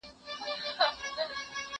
زه مخکي مڼې خوړلي وو،